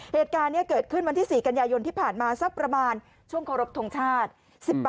เหตุการณ์นี้เกิดขึ้นวันที่๔กันยายนที่ผ่านมาสักประมาณช่วงเคารพทงชาติ